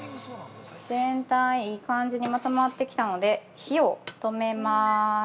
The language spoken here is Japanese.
◆全体に、いい感じにまとまってきたので、火を止めます。